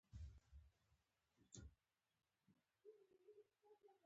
ټول علوم د بشریت مشترک میراث دی.